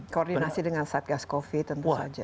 koordinasi dengan satgas covid tentu saja